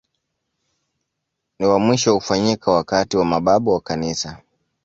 Ni wa mwisho kufanyika wakati wa mababu wa Kanisa.